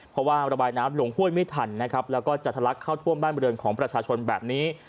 เพราะว่าระบายน้ำลงห้วยไม่ทันนะครับแล้วก็จะทะลักเข้าท่วมบ้านบริเวณของประชาชนแบบนี้